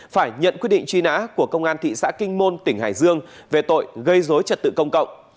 phải nhận quyết định truy nã của công an thị xã kinh môn tỉnh hải dương về tội gây dối trật tự công cộng